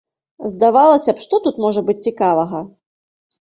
Здавалася б, што тут можа быць цікавага?